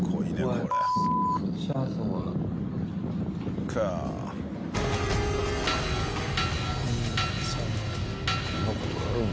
こんな事があるんだ。